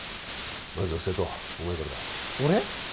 まずは瀬戸お前からだ俺？